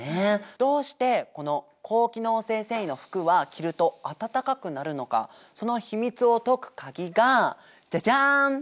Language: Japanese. どうしてこの高機能性繊維の服は着ると暖かくなるのかその秘密を解く鍵がジャジャン！